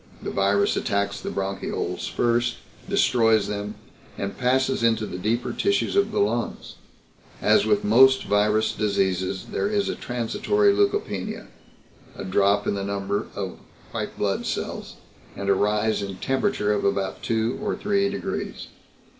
"The virus attacks the bronchioles first, destroys them, and passes into the deeper tissues of the lungs. As with most virus diseases there is a transitory leukopenia a drop in the total number of white blood cells and a rise in temperature of about two or three degrees.